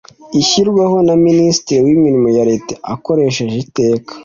ishyirwaho na ministre w’imirimo ya leta akoresheje iteka